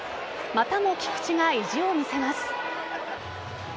またも菊池が意地を見せます。